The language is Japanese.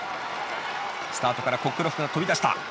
スタートからコックロフトが飛び出した。